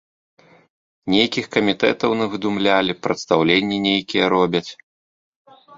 Нейкіх камітэтаў навыдумлялі, прадстаўленні нейкія робяць.